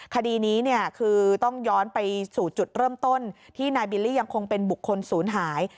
คดีนี้เนี่ยคือต้องย้อนไปสู่จุดเริ่มต้นที่นายบิลลี่ยังคงเป็นบุคคลศูนย์หาย